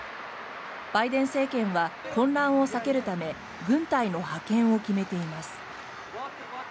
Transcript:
バイデン政権は混乱を避けるため軍隊の派遣を決めています。